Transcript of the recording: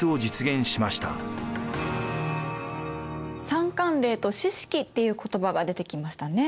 三管領と四職っていう言葉が出てきましたね。